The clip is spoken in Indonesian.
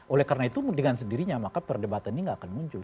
oleh karena itu dengan sendirinya maka perdebatan ini nggak akan muncul